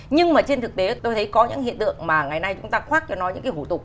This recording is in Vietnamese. nhưng mà trên thực tế tôi thấy có những hiện tượng mà ngày nay chúng ta khoác cho nó những cái hủ tục